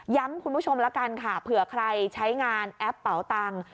คุณผู้ชมละกันค่ะเผื่อใครใช้งานแอปเป๋าตังค์